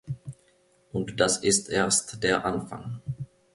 Und das ist erst der Anfang.